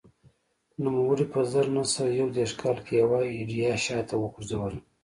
نوموړي په زر نه سوه یو دېرش کال کې یوه ایډیا شا ته وغورځوله